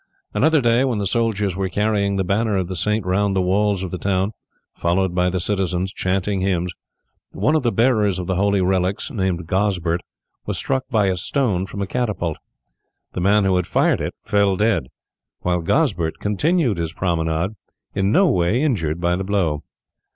Another day when the soldiers were carrying the banner of the saint round the walls of the town, followed by the citizens chanting hymns, one of the bearers of the holy relics, named Gozbert, was struck by a stone from a catapult. The man who had fired it fell dead, while Gozbert continued his promenade in no way injured by the blow.